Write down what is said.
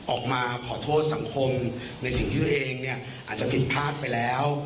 ออกมาขอโทษสังคมในสิ่งที่ตัวเองเนี่ยอาจจะผิดพลาดไปแล้ว